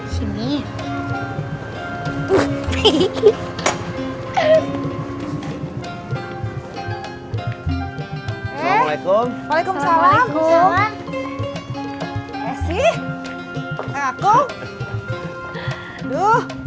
silahkan duduk atu